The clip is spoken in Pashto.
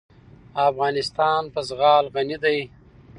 افغانستان په زغال غني دی.